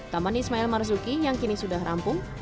taman ismail marzuki yang kini sudah rampung